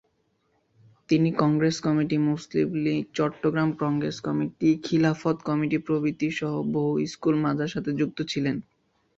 তিনি Congress committee, Muslim League, Chittagong Congress committee, Khilafat committee প্রভৃতি সহ বহু স্কুল- মাদ্রাসার সাথে যুক্ত ছিলেন।